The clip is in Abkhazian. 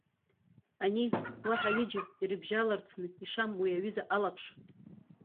Ани, уаҳа ҩыџьа ирыбжьаларцны ишам уи аҩыза алаԥш!